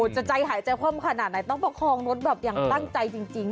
จะใจหายใจคว่ำขนาดไหนต้องประคองรถแบบอย่างตั้งใจจริง